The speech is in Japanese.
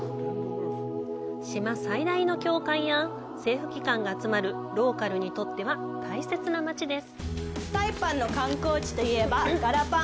島最大の教会や政府機関が集まるローカルにとっては大切な街です。